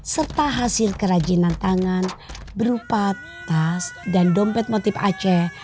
serta hasil kerajinan tangan berupa tas dan dompet motif aceh